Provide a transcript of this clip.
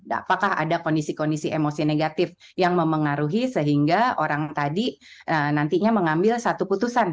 apakah ada kondisi kondisi emosi negatif yang memengaruhi sehingga orang tadi nantinya mengambil satu putusan